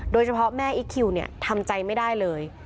โดยเฉพาะแม่อีกคิวทำใจไม่ได้เลย